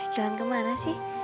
jalan ke mana sih